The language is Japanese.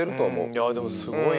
いやでもすごい。